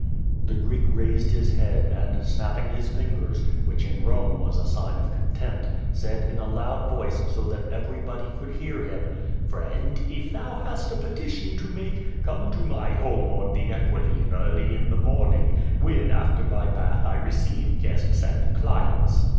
The Greek raised his head, and, snapping his fingers, whidh in Rome was a sign of contempt, said in a loud voice, so that everybody could hear him: "Friend, if thou hast a petition to make, come to my home on the Equiline early in the morning, when after my bath I receive guests and clients."